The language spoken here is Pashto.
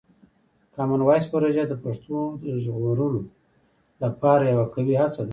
کامن وایس پروژه د پښتو د ژغورلو لپاره یوه قوي هڅه ده.